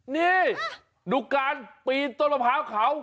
นี่ดูการปีนต้นมะพร้าวเขา